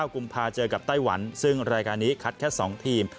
กุมภาคเจอกับไต้หวันซึ่งรายการนี้คัดแค่๒ทีม